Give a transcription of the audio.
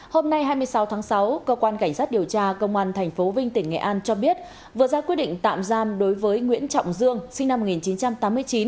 hôm nay hai mươi sáu tháng sáu cơ quan cảnh sát điều tra công an tp vinh tỉnh nghệ an cho biết vừa ra quyết định tạm giam đối với nguyễn trọng dương sinh năm một nghìn chín trăm tám mươi chín